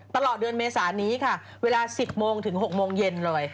ตลอดเดือนเมษานี้ค่ะเวลา๑๐โมงถึง๖โมงเย็นเลย